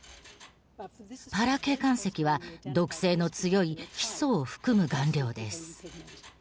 パラ鶏冠石は毒性の強いヒ素を含む顔料です。